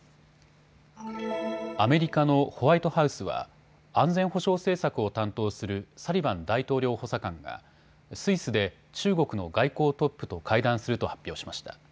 アメリカのホワイトハウスは安全保障政策を担当するサリバン大統領補佐官がスイスで中国の外交トップと会談すると発表しました。